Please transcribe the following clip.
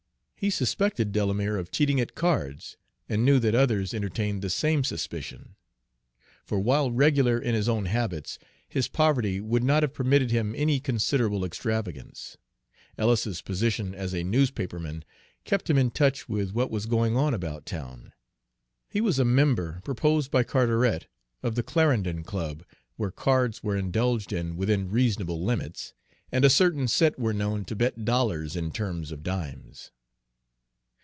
He suspected Delamere of cheating at cards, and knew that others entertained the same suspicion. For while regular in his own habits, his poverty would not have permitted him any considerable extravagance, Ellis's position as a newspaper man kept him in touch with what was going on about town. He was a member, proposed by Carteret, of the Clarendon Club, where cards were indulged in within reasonable limits, and a certain set were known to bet dollars in terms of dimes.